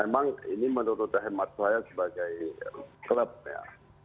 memang ini menurut hemat saya sebagai klub ya